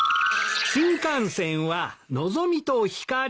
「新幹線はのぞみとひかり」